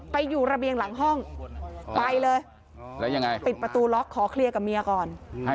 ไปอยู่ระเบียงหลังห้องไปเลยแล้วยังไงปิดประตูล็อกขอเคลียร์กับเมียก่อน